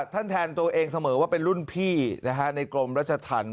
แทนตัวเองเสมอว่าเป็นรุ่นพี่ในกรมรัชธรรม